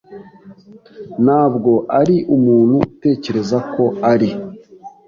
ntabwo ari umuntu utekereza ko ari.